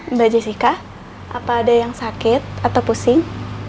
mbak jessica apa ada yang sakit atau pusing